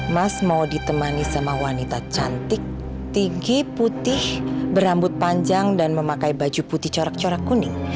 mas mau ditemani sama wanita cantik tinggi putih berambut panjang dan memakai baju putih corak corak kuning